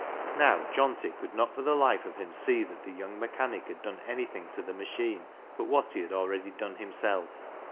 Now, Johnty could not for the life of him see that the young mechanic had done anything to the machine but what he had already done himself.